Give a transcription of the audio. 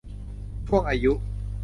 ช่วงอายุ